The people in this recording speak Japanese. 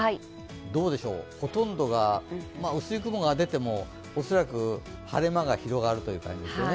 どうでしょう、ほとんどが薄い雲が出ても、恐らく晴れ間が広がるという感じでしょうね。